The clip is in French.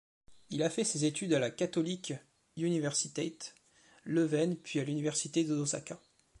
Il a fait ses études à la Katholieke Universiteit Leuven puis à l'université d'Osaka.